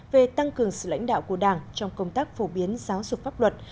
về tăng cường sự lãnh đạo của đảng trong công tác phổ biến giáo dục pháp luật